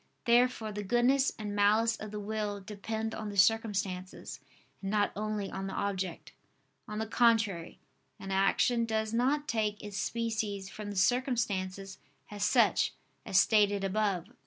Therefore the goodness and malice of the will depend on the circumstances, and not only on the object. On the contrary, An action does not take its species from the circumstances as such, as stated above (Q.